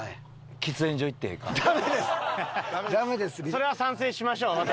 それは賛成しましょう私も。